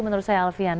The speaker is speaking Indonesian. menurut saya alfian